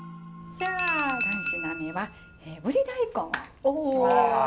じゃあ三品目はぶり大根をします。